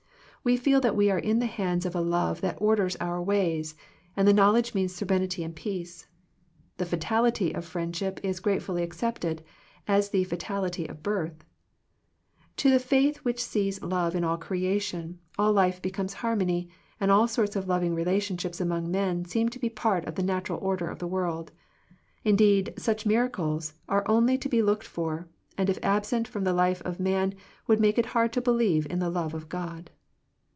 We feel that we are in the hands of a Love that orders our ways, and the knowledge means serenity and peace. The fatality of friendship is gratefully ac cepted, as the fatality of birth. To the faith which sees love in all creation, all life becomes harmony, and all sorts of loving relationships among men seem to be part of the natural order of the world. Indeed, such miracles are only to be looked for, and if absent from the life of man would make it hard to believe in the love of God.